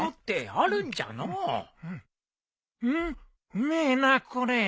うめえなこれ。